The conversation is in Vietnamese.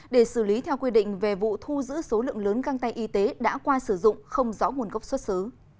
để xử lý theo quy định về vụ thu giữ số lượng lớn găng tay y tế đã qua sử dụng không rõ nguồn gốc xuất xứ